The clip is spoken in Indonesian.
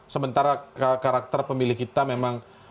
sementara karakter pemilih kita memang